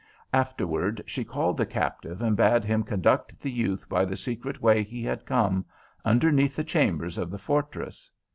Afterward she called the Captive and bade him conduct the youth by the secret way he had come, underneath the chambers of the fortress.